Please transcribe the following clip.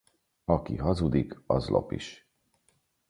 Aki hazudik, az lop is.